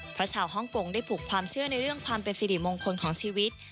เพราะชาวฮ่องกงได้ผูกความเชื่อในเรื่องความเป็นสิริมงคลของชีวิต